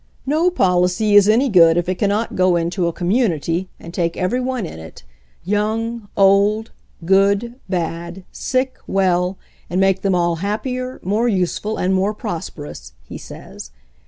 "No policy is any good if it cannot go into a / i6# HENRY FORD'S OWN STORY community and take every one in it, young, old, good, bad, sick, well, and make them all happier, more useful and more prosperous," he says.